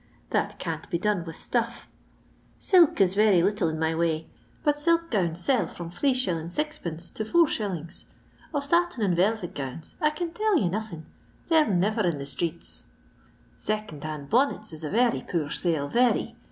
That can't be done with stnffl SUk is Yery little in my way, but silk gowns sell from 3s. 6(f . to 4s. Of satin and velvet gowns I can tell yoa no thing ; they *re never in the streets. "Second hand Bonnets is a very poor sale — very.